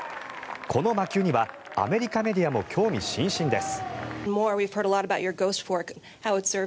この魔球にはアメリカメディアも興味津々です。